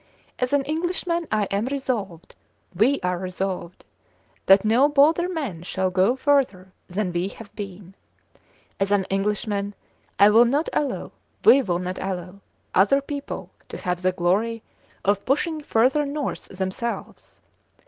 As an Englishman I am resolved, we are resolved, that no bolder men shall go further than we have been. As an Englishman I will not allow, we will not allow, other people to have the glory of pushing further north themselves.